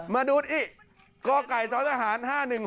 มาดูอิกไก่ทรตหาวศาหาร๕๑๖๑